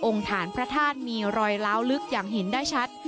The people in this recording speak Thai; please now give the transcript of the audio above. ฐานพระธาตุมีรอยล้าวลึกอย่างเห็นได้ชัด